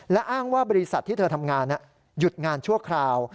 และอ้างว่าบริษัทที่เธอทำงานหยุดงานชั่วคราว